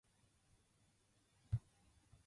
いつまでも疑い迷って、決断せずにためらうこと。